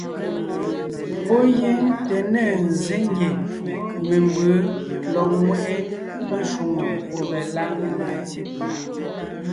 Pɔ́ gíŋ te ne ńzsé ngie membʉ̌ lɔg ńŋweʼe meshwóŋè meláʼ.